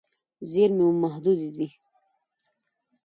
زیرمې مو محدودې دي.